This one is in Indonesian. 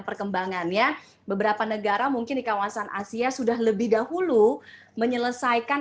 perkembangannya beberapa negara mungkin di kawasan asia sudah lebih dahulu menyelesaikan